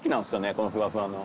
このふわふわの。